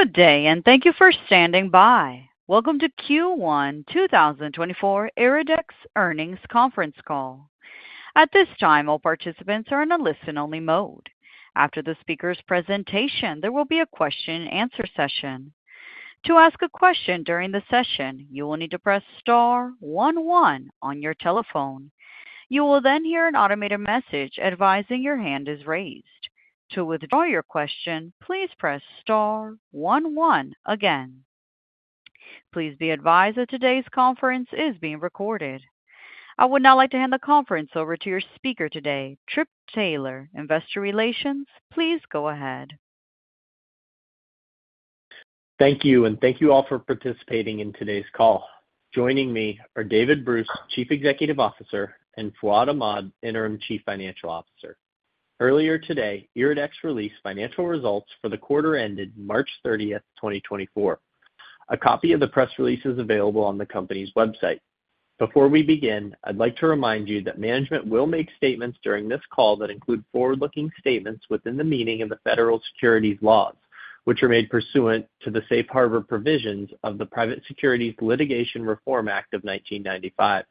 Good day, and thank you for standing by. Welcome to Q1 2024 IRIDEX Earnings Conference Call. At this time, all participants are in a listen-only mode. After the speaker's presentation, there will be a question-and-answer session. To ask a question during the session, you will need to press star 11 on your telephone. You will then hear an automated message advising your hand is raised. To withdraw your question, please press star one one again. Please be advised that today's conference is being recorded. I would now like to hand the conference over to your speaker today, Trip Taylor, Investor Relations. Please go ahead. Thank you, and thank you all for participating in today's call. Joining me are David Bruce, Chief Executive Officer, and Fuad Ahmad, Interim Chief Financial Officer. Earlier today, IRIDEX released financial results for the quarter ended March 30th, 2024. A copy of the press release is available on the company's website. Before we begin, I'd like to remind you that management will make statements during this call that include forward-looking statements within the meaning of the federal securities laws, which are made pursuant to the Safe Harbor provisions of the Private Securities Litigation Reform Act of 1995.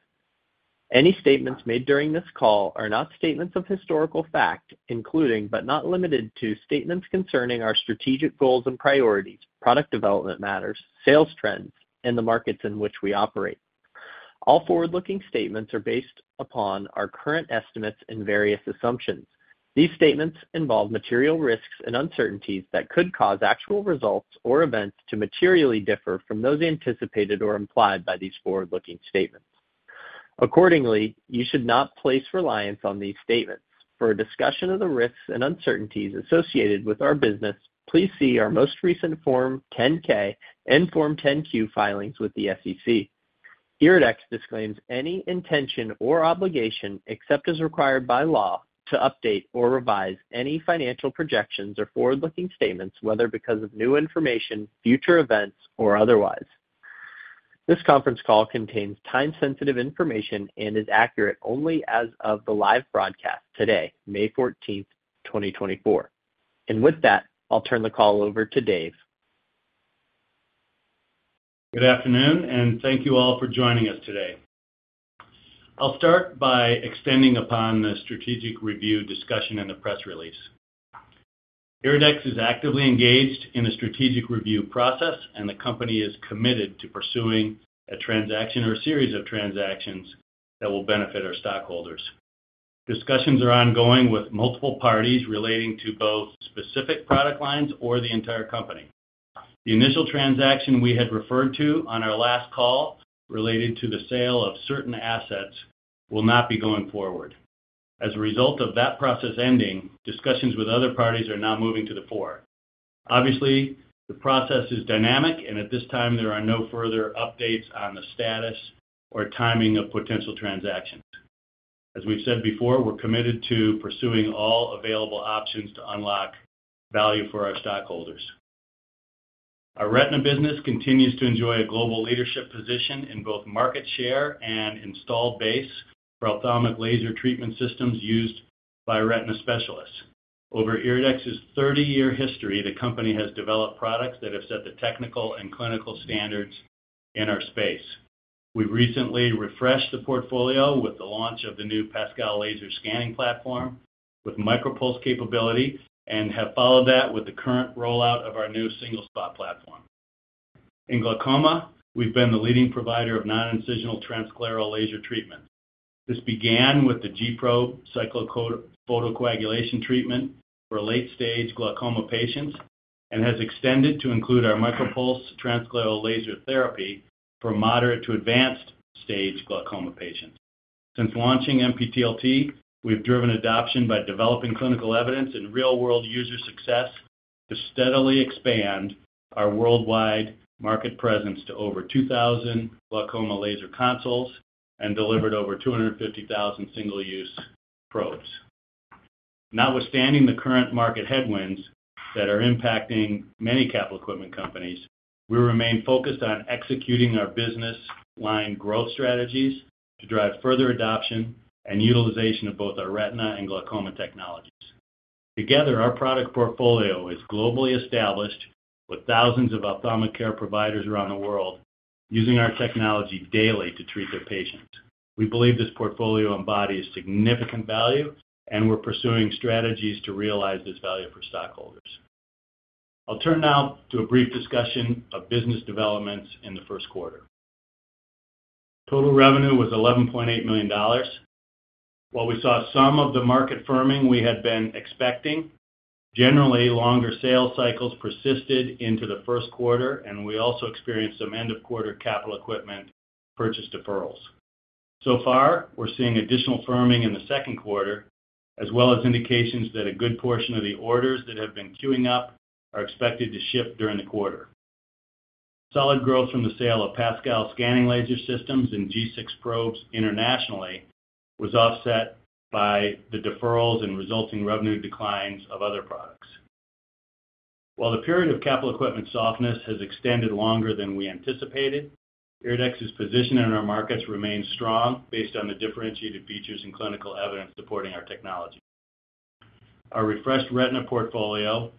Any statements made during this call are not statements of historical fact, including but not limited to statements concerning our strategic goals and priorities, product development matters, sales trends, and the markets in which we operate. All forward-looking statements are based upon our current estimates and various assumptions. These statements involve material risks and uncertainties that could cause actual results or events to materially differ from those anticipated or implied by these forward-looking statements. Accordingly, you should not place reliance on these statements. For a discussion of the risks and uncertainties associated with our business, please see our most recent Form 10-K and Form 10-Q filings with the SEC. IRIDEX disclaims any intention or obligation except as required by law to update or revise any financial projections or forward-looking statements, whether because of new information, future events, or otherwise. This conference call contains time-sensitive information and is accurate only as of the live broadcast today, May 14th, 2024. With that, I'll turn the call over to Dave. Good afternoon, and thank you all for joining us today. I'll start by extending upon the strategic review discussion in the press release. IRIDEX is actively engaged in the strategic review process, and the company is committed to pursuing a transaction or a series of transactions that will benefit our stockholders. Discussions are ongoing with multiple parties relating to both specific product lines or the entire company. The initial transaction we had referred to on our last call related to the sale of certain assets will not be going forward. As a result of that process ending, discussions with other parties are now moving to the fore. Obviously, the process is dynamic, and at this time, there are no further updates on the status or timing of potential transactions. As we've said before, we're committed to pursuing all available options to unlock value for our stockholders. Our retina business continues to enjoy a global leadership position in both market share and installed base for ophthalmic laser treatment systems used by retina specialists. Over IRIDEX's 30-year history, the company has developed products that have set the technical and clinical standards in our space. We've recently refreshed the portfolio with the launch of the new PASCAL laser scanning platform with MicroPulse capability and have followed that with the current rollout of our new single-spot platform. In glaucoma, we've been the leading provider of non-incisional transscleral laser treatments. This began with the G-Probe cyclophotocoagulation treatment for late-stage glaucoma patients and has extended to include our MicroPulse transscleral laser therapy for moderate to advanced-stage glaucoma patients. Since launching MPTLT, we've driven adoption by developing clinical evidence and real-world user success to steadily expand our worldwide market presence to over 2,000 glaucoma laser consoles and delivered over 250,000 single-use probes. Notwithstanding the current market headwinds that are impacting many capital equipment companies, we remain focused on executing our business line growth strategies to drive further adoption and utilization of both our retina and glaucoma technologies. Together, our product portfolio is globally established with thousands of ophthalmic care providers around the world using our technology daily to treat their patients. We believe this portfolio embodies significant value, and we're pursuing strategies to realize this value for stockholders. I'll turn now to a brief discussion of business developments in the first quarter. Total revenue was $11.8 million. While we saw some of the market firming we had been expecting, generally longer sales cycles persisted into the first quarter, and we also experienced some end-of-quarter capital equipment purchase deferrals. So far, we're seeing additional firming in the second quarter, as well as indications that a good portion of the orders that have been queuing up are expected to ship during the quarter. Solid growth from the sale of PASCAL scanning laser systems and G6 probes internationally was offset by the deferrals and resulting revenue declines of other products. While the period of capital equipment softness has extended longer than we anticipated, IRIDEX's position in our markets remains strong based on the differentiated features and clinical evidence supporting our technology. Our refreshed retina portfolio,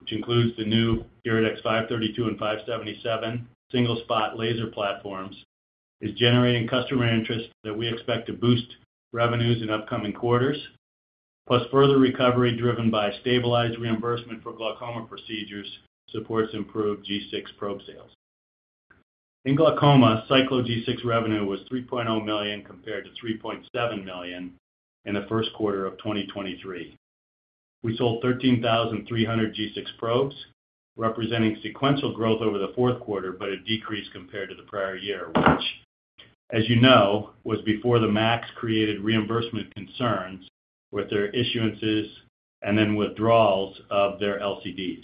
which includes the new IRIDEX 532 and 577 single-spot laser platforms, is generating customer interest that we expect to boost revenues in upcoming quarters, plus further recovery driven by stabilized reimbursement for glaucoma procedures supports improved G6 probe sales. In glaucoma, Cyclo G6 revenue was $3.0 million compared to $3.7 million in the first quarter of 2023. We sold 13,300 G6 probes, representing sequential growth over the fourth quarter but a decrease compared to the prior year, which, as you know, was before the MACs created reimbursement concerns with their issuances and then withdrawals of their LCDs.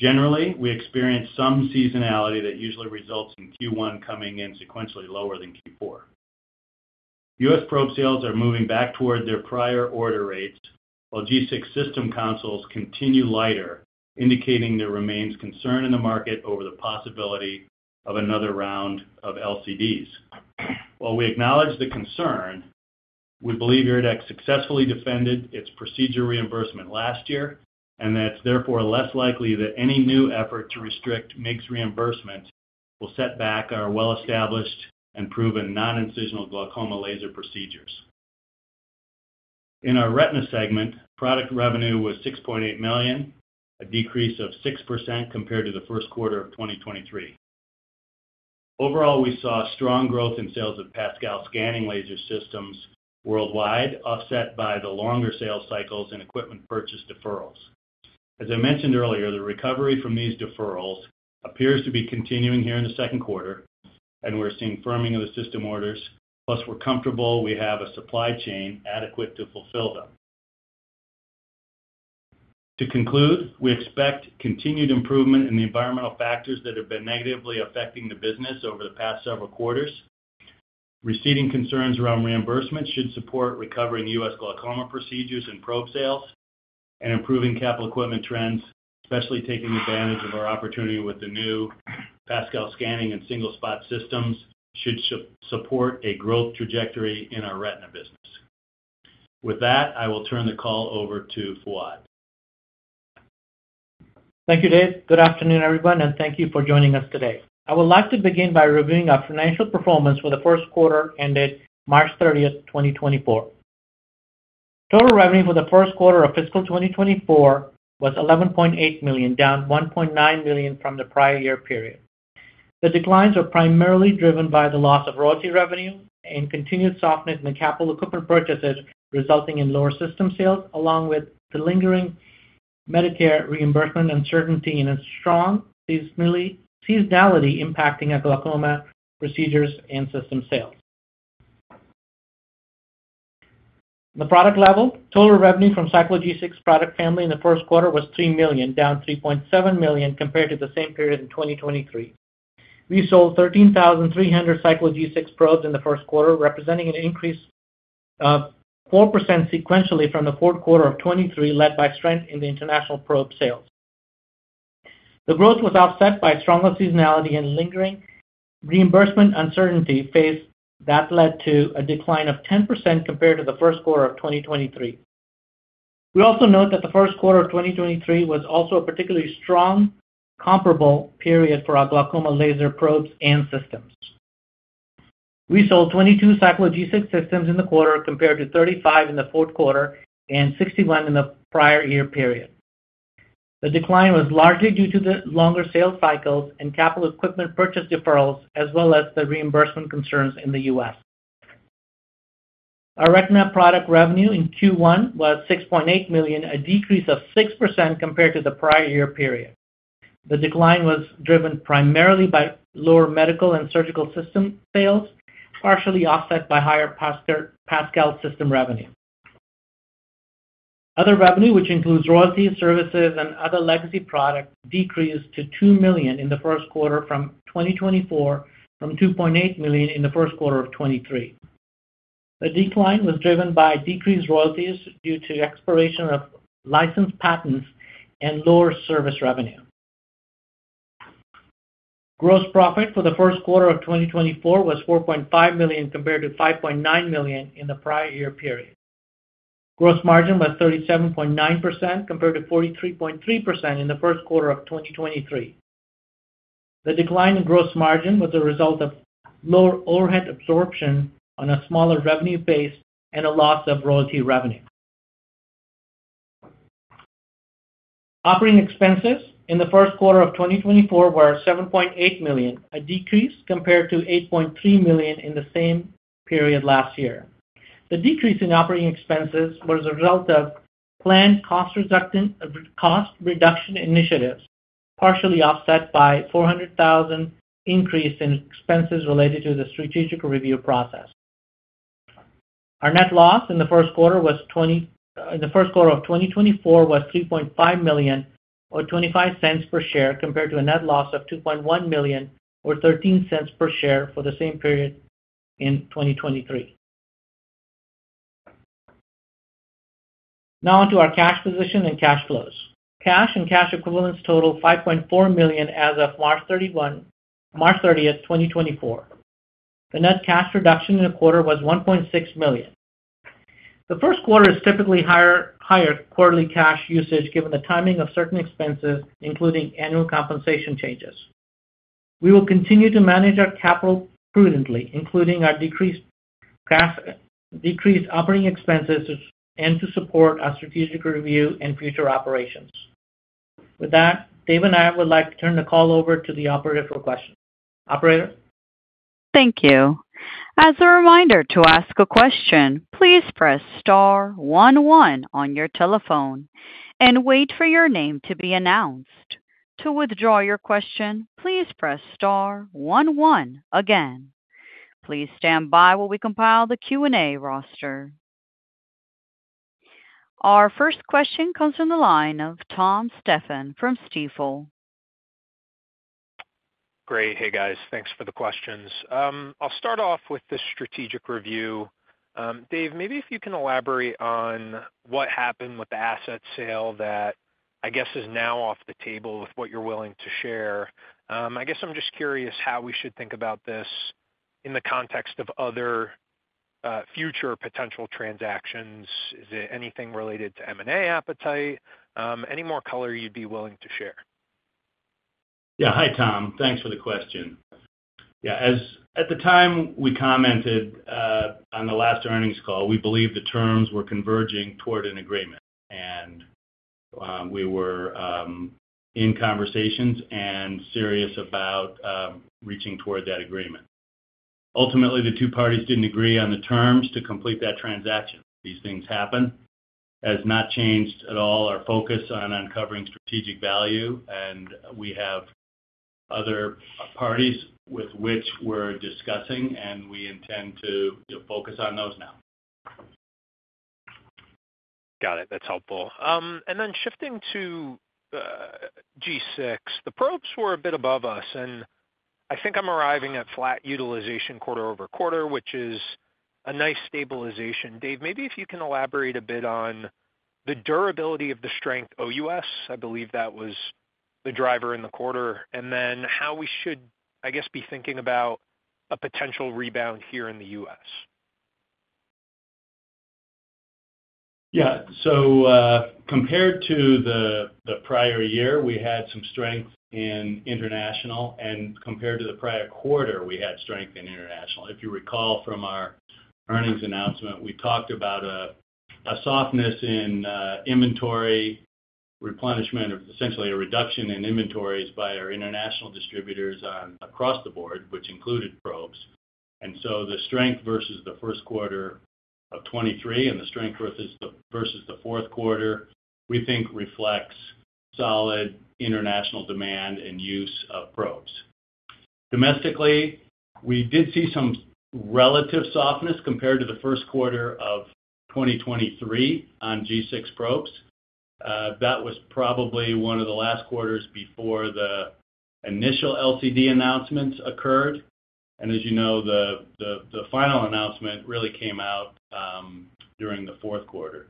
Generally, we experience some seasonality that usually results in Q1 coming in sequentially lower than Q4. U.S. probe sales are moving back toward their prior order rates, while G6 system consoles continue lighter, indicating there remains concern in the market over the possibility of another round of LCDs. While we acknowledge the concern, we believe IRIDEX successfully defended its procedure reimbursement last year and that it's therefore less likely that any new effort to restrict MIGS reimbursement will set back our well-established and proven non-incisional glaucoma laser procedures. In our retina segment, product revenue was $6.8 million, a decrease of 6% compared to the first quarter of 2023. Overall, we saw strong growth in sales of PASCAL scanning laser systems worldwide, offset by the longer sales cycles and equipment purchase deferrals. As I mentioned earlier, the recovery from these deferrals appears to be continuing here in the second quarter, and we're seeing firming of the system orders, plus we're comfortable we have a supply chain adequate to fulfill them. To conclude, we expect continued improvement in the environmental factors that have been negatively affecting the business over the past several quarters. Receding concerns around reimbursement should support recovering U.S. glaucoma procedures and probe sales, and improving capital equipment trends, especially taking advantage of our opportunity with the new PASCAL scanning and single-spot systems, should support a growth trajectory in our retina business. With that, I will turn the call over to Fuad. Thank you, Dave. Good afternoon, everyone, and thank you for joining us today. I would like to begin by reviewing our financial performance for the first quarter ended March 30th, 2024. Total revenue for the first quarter of fiscal 2024 was $11.8 million, down $1.9 million from the prior year period. The declines are primarily driven by the loss of royalty revenue and continued softness in capital equipment purchases, resulting in lower system sales, along with the lingering Medicare reimbursement uncertainty and strong seasonality impacting our glaucoma procedures and system sales. On the product level, total revenue from Cyclo G6 product family in the first quarter was $3 million, down $3.7 million compared to the same period in 2023. We sold 13,300 Cyclo G6 probes in the first quarter, representing an increase of 4% sequentially from the fourth quarter of 2023, led by strength in the international probe sales. The growth was offset by stronger seasonality and lingering reimbursement uncertainty that led to a decline of 10% compared to the first quarter of 2023. We also note that the first quarter of 2023 was also a particularly strong comparable period for our glaucoma laser probes and systems. We sold 22 Cyclo G6 systems in the quarter compared to 35 in the fourth quarter and 61 in the prior year period. The decline was largely due to the longer sales cycles and capital equipment purchase deferrals, as well as the reimbursement concerns in the U.S. Our retina product revenue in Q1 was $6.8 million, a decrease of 6% compared to the prior year period. The decline was driven primarily by lower medical and surgical system sales, partially offset by higher PASCAL system revenue. Other revenue, which includes royalties, services, and other legacy products, decreased to $2 million in the first quarter of 2024, from $2.8 million in the first quarter of 2023. The decline was driven by decreased royalties due to expiration of licensed patents and lower service revenue. Gross profit for the first quarter of 2024 was $4.5 million compared to $5.9 million in the prior year period. Gross margin was 37.9% compared to 43.3% in the first quarter of 2023. The decline in gross margin was a result of lower overhead absorption on a smaller revenue base and a loss of royalty revenue. Operating expenses in the first quarter of 2024 were $7.8 million, a decrease compared to $8.3 million in the same period last year. The decrease in operating expenses was a result of planned cost reduction initiatives, partially offset by $400,000 increase in expenses related to the strategic review process. Our net loss in the first quarter of 2024 was $3.5 million or $0.25 per share compared to a net loss of $2.1 million or $0.13 per share for the same period in 2023. Now onto our cash position and cash flows. Cash and cash equivalents total $5.4 million as of March 30th, 2024. The net cash reduction in the quarter was $1.6 million. The first quarter is typically higher quarterly cash usage given the timing of certain expenses, including annual compensation changes. We will continue to manage our capital prudently, including our decreased operating expenses, and to support our strategic review and future operations. With that, Dave and I would like to turn the call over to the operator for questions. Operator? Thank you. As a reminder to ask a question, please press star 11 on your telephone and wait for your name to be announced. To withdraw your question, please press star 11 again. Please stand by while we compile the Q&A roster. Our first question comes from the line of Tom Stephan from Stifel. Great. Hey, guys. Thanks for the questions. I'll start off with the strategic review. Dave, maybe if you can elaborate on what happened with the asset sale that I guess is now off the table with what you're willing to share? I guess I'm just curious how we should think about this in the context of other future potential transactions. Is it anything related to M&A appetite? Any more color you'd be willing to share? Yeah. Hi, Tom. Thanks for the question. Yeah. At the time we commented on the last earnings call, we believed the terms were converging toward an agreement, and we were in conversations and serious about reaching toward that agreement. Ultimately, the two parties didn't agree on the terms to complete that transaction. These things happen. Has not changed at all our focus on uncovering strategic value, and we have other parties with which we're discussing, and we intend to focus on those now. Got it. That's helpful. And then shifting to G6, the probes were a bit above us, and I think I'm arriving at flat utilization quarter over quarter, which is a nice stabilization. Dave, maybe if you can elaborate a bit on the durability of the strength OUS - I believe that was the driver in the quarter - and then how we should, I guess, be thinking about a potential rebound here in the U.S.? Yeah. So compared to the prior year, we had some strength in international, and compared to the prior quarter, we had strength in international. If you recall from our earnings announcement, we talked about a softness in inventory replenishment, essentially a reduction in inventories by our international distributors across the board, which included probes. And so the strength versus the first quarter of 2023 and the strength versus the fourth quarter, we think reflects solid international demand and use of probes. Domestically, we did see some relative softness compared to the first quarter of 2023 on G6 probes. That was probably one of the last quarters before the initial LCD announcements occurred. And as you know, the final announcement really came out during the fourth quarter.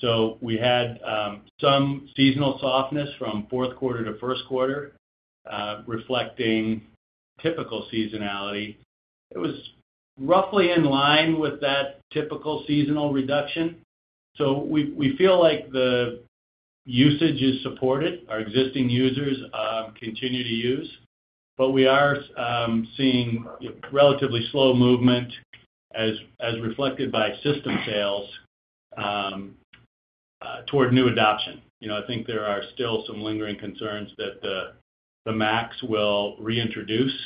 So we had some seasonal softness from fourth quarter to first quarter, reflecting typical seasonality. It was roughly in line with that typical seasonal reduction. So we feel like the usage is supported. Our existing users continue to use, but we are seeing relatively slow movement, as reflected by system sales, toward new adoption. I think there are still some lingering concerns that the MACs will reintroduce.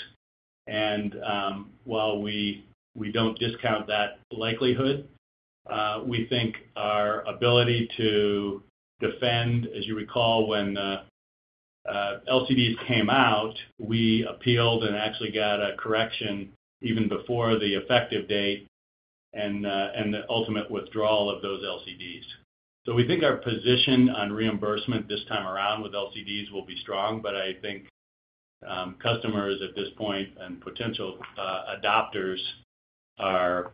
While we don't discount that likelihood, we think our ability to defend as you recall when LCDs came out, we appealed and actually got a correction even before the effective date and the ultimate withdrawal of those LCDs. So we think our position on reimbursement this time around with LCDs will be strong, but I think customers at this point and potential adopters are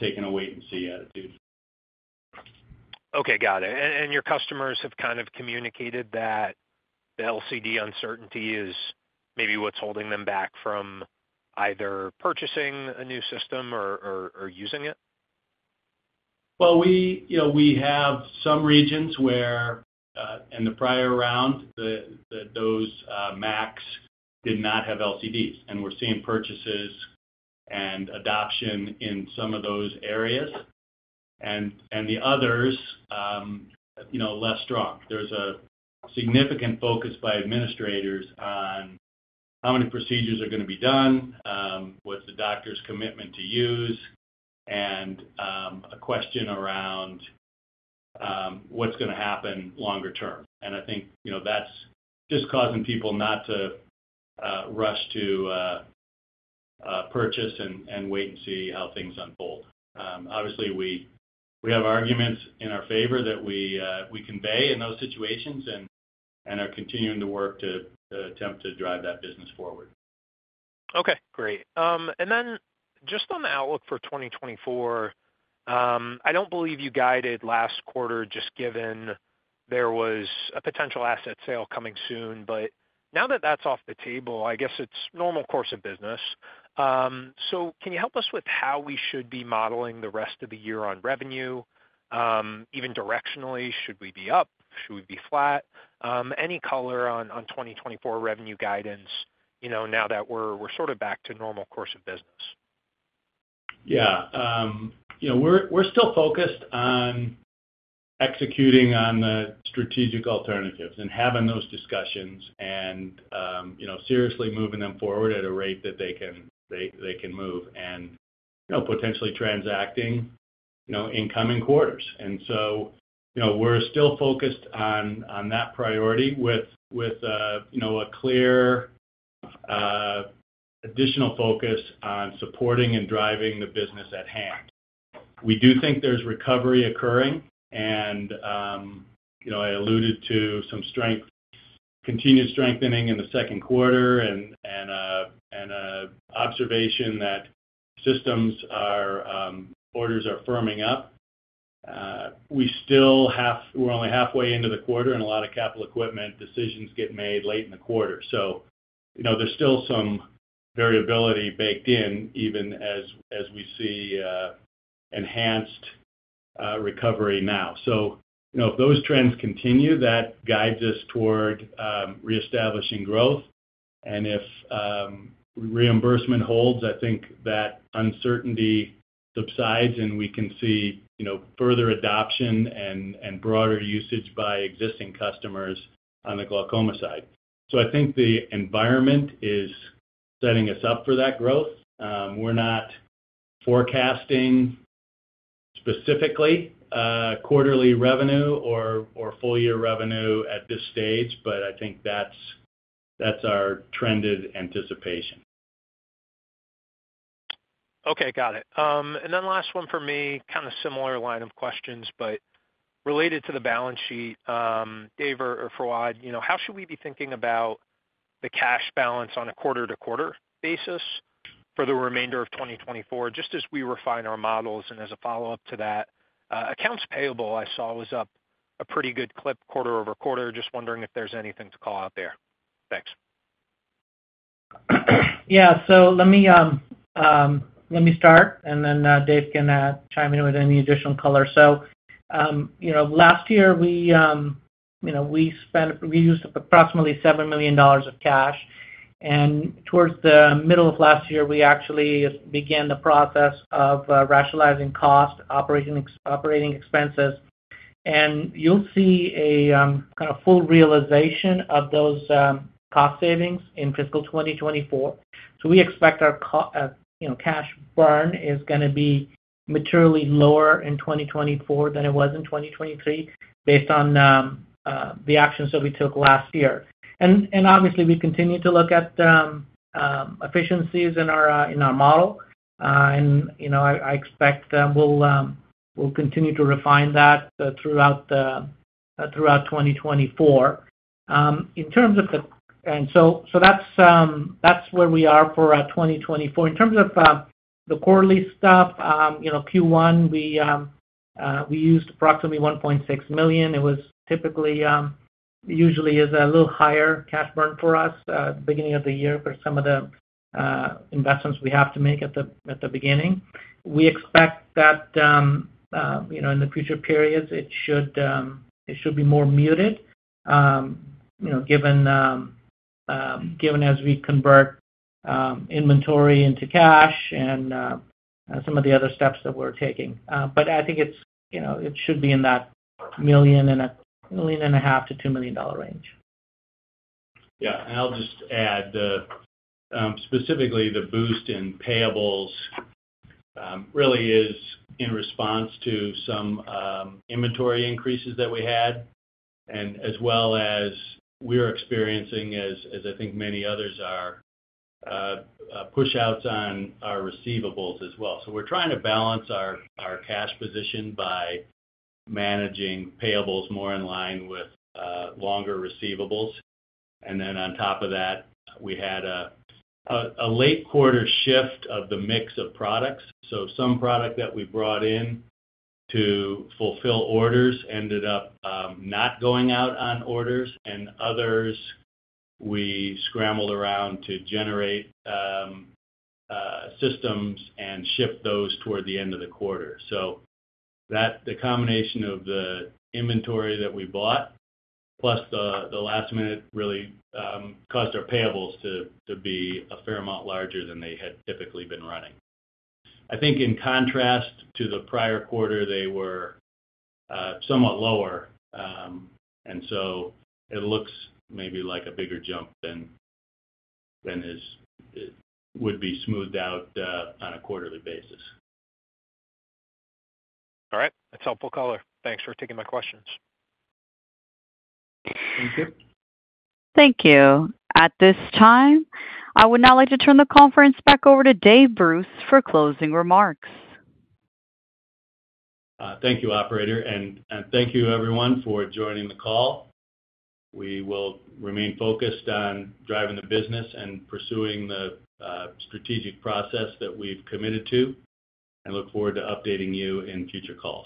taking a wait-and-see attitude. Okay. Got it. Your customers have kind of communicated that the LCD uncertainty is maybe what's holding them back from either purchasing a new system or using it? Well, we have some regions where in the prior round, those MACs did not have LCDs, and we're seeing purchases and adoption in some of those areas. And the others, less strong. There's a significant focus by administrators on how many procedures are going to be done, what's the doctor's commitment to use, and a question around what's going to happen longer term. And I think that's just causing people not to rush to purchase and wait and see how things unfold. Obviously, we have arguments in our favor that we convey in those situations and are continuing to work to attempt to drive that business forward. Okay. Great. And then just on the outlook for 2024, I don't believe you guided last quarter just given there was a potential asset sale coming soon. But now that that's off the table, I guess it's normal course of business. So can you help us with how we should be modeling the rest of the year on revenue? Even directionally, should we be up? Should we be flat? Any color on 2024 revenue guidance now that we're sort of back to normal course of business? Yeah. We're still focused on executing on the strategic alternatives and having those discussions and seriously moving them forward at a rate that they can move and potentially transacting in coming quarters. And so we're still focused on that priority with a clear additional focus on supporting and driving the business at hand. We do think there's recovery occurring, and I alluded to some continued strengthening in the second quarter and an observation that systems orders are firming up. We're only halfway into the quarter, and a lot of capital equipment decisions get made late in the quarter. So there's still some variability baked in even as we see enhanced recovery now. So if those trends continue, that guides us toward reestablishing growth. And if reimbursement holds, I think that uncertainty subsides, and we can see further adoption and broader usage by existing customers on the glaucoma side. So I think the environment is setting us up for that growth. We're not forecasting specifically quarterly revenue or full-year revenue at this stage, but I think that's our trended anticipation. Okay. Got it. And then last one for me, kind of similar line of questions, but related to the balance sheet, Dave or Fuad, how should we be thinking about the cash balance on a quarter-to-quarter basis for the remainder of 2024, just as we refine our models? And as a follow-up to that, accounts payable, I saw, was up a pretty good clip quarter-over-quarter. Just wondering if there's anything to call out there. Thanks. Yeah. So let me start, and then Dave can chime in with any additional color. So last year, we used approximately $7 million of cash. And towards the middle of last year, we actually began the process of rationalizing cost, operating expenses. And you'll see a kind of full realization of those cost savings in fiscal 2024. So we expect our cash burn is going to be materially lower in 2024 than it was in 2023 based on the actions that we took last year. And obviously, we continue to look at efficiencies in our model, and I expect we'll continue to refine that throughout 2024. In terms of the and so that's where we are for 2024. In terms of the quarterly stuff, Q1, we used approximately $1.6 million. It usually is a little higher cash burn for us at the beginning of the year for some of the investments we have to make at the beginning. We expect that in the future periods, it should be more muted given as we convert inventory into cash and some of the other steps that we're taking. But I think it should be in that $1.5 million-$2 million range. Yeah. And I'll just add, specifically, the boost in payables really is in response to some inventory increases that we had, as well as we're experiencing, as I think many others are, push-outs on our receivables as well. So we're trying to balance our cash position by managing payables more in line with longer receivables. And then on top of that, we had a late quarter shift of the mix of products. So some product that we brought in to fulfill orders ended up not going out on orders, and others we scrambled around to generate systems and ship those toward the end of the quarter. So the combination of the inventory that we bought plus the last minute really caused our payables to be a fair amount larger than they had typically been running. I think in contrast to the prior quarter, they were somewhat lower, and so it looks maybe like a bigger jump than it would be smoothed out on a quarterly basis. All right. That's helpful color. Thanks for taking my questions. Thank you. Thank you. At this time, I would now like to turn the conference back over to David Bruce for closing remarks. Thank you, operator, and thank you, everyone, for joining the call. We will remain focused on driving the business and pursuing the strategic process that we've committed to and look forward to updating you in future calls.